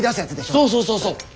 そうそうそうそう。